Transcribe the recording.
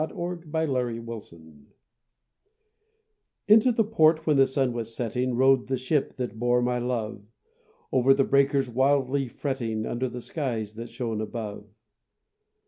THE SHIPS OF THE SEA Into port when the sun was setting Rode the ship that bore my love, Over the breakers wildly fretting, Under the skies that shone above.